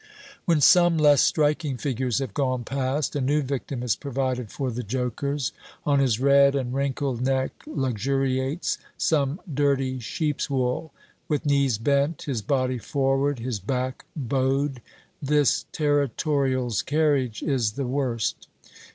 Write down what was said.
When some less striking figures have gone past, a new victim is provided for the jokers. On his red and wrinkled neck luxuriates some dirty sheep's wool. With knees bent, his body forward, his back bowed, this Territorial's carriage is the worst.